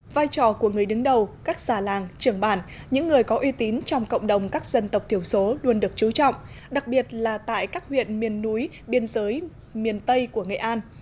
vai trò của người đứng đầu các xà làng trưởng bản những người có uy tín trong cộng đồng các dân tộc thiểu số luôn được chú trọng đặc biệt là tại các huyện miền núi biên giới miền tây của nghệ an